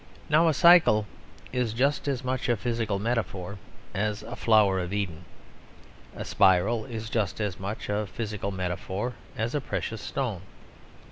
Now a cycle is just as much a physical metaphor as a flower of Eden; a spiral is just as much a physical metaphor as a precious stone.